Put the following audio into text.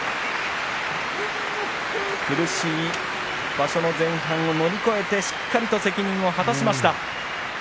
苦しい場所の前半を乗り越えてしっかりと責任を果たしました。